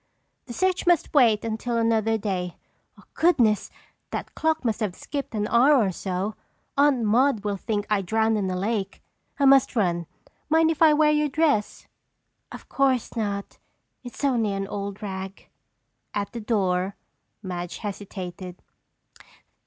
"The search must wait until another day. Goodness! That clock must have skipped an hour or so! Aunt Maude will think I drowned in the lake. I must run. Mind if I wear your dress?" "Of course not. It's only an old rag." At the door, Madge hesitated.